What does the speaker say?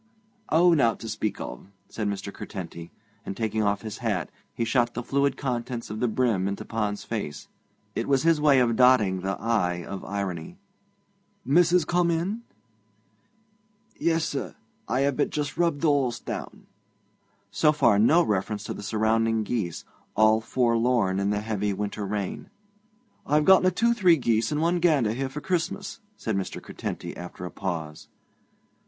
'Oh, nowt to speak of,' said Mr. Curtenty, and, taking off his hat, he shot the fluid contents of the brim into Pond's face. It was his way of dotting the 'i' of irony. 'Missis come in?' 'Yes, sir; I have but just rubbed the horse down.' So far no reference to the surrounding geese, all forlorn in the heavy winter rain. 'I've gotten a two three geese and one gander here for Christmas,' said Mr. Curtenty after a pause.